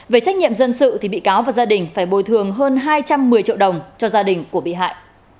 về trách nhiệm dân sự thì bị cáo và gia đình phải bồi thường hơn hai trăm một mươi triệu đồng cho gia đình của bị hại